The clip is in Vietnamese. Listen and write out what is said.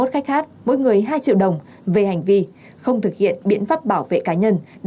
một mươi khách hát mỗi người hai triệu đồng về hành vi không thực hiện biện pháp bảo vệ cá nhân